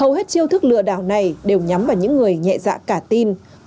hầu hết chiêu thức lừa đảo này đều nhắm vào những người nhẹ dạ cả tin